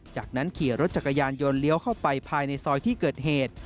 จากนั้นขี่รถจักรยานยนต์เลี้ยวเข้าไปภายในซอยที่เกิดเหตุ